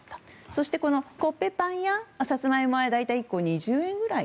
そして、このコッペパンやサツマイモは大体１個２０円ぐらい。